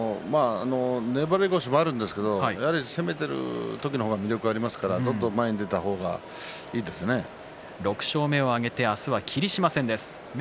粘り腰もあるんですけど攻めている時の方が魅力がありますからどんどん前に出た方がいいですね琴ノ若。